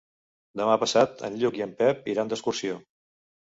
Demà passat en Lluc i en Pep iran d'excursió.